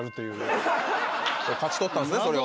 勝ち取ったんですねそれを。